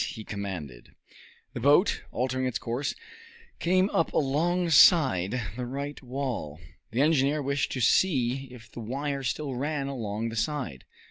he commanded. The boat, altering its course, came up alongside the right wall. The engineer wished to see if the wire still ran along the side.